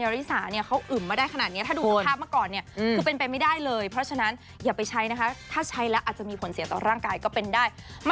แล้วก่อนเนี้ยผมเป็นไปไม่ได้เลยเพราะฉะนั้นอย่าไปใช้นะคะถ้าใช้แล้วอาจจะมีผลเสียคต่อร่างกายก็เป็นได้